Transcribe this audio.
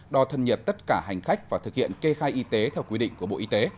đo thân nhiệt tất cả hành khách và thực hiện kê khai y tế theo quy định của bộ y tế